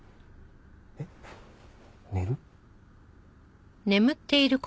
えっ寝る？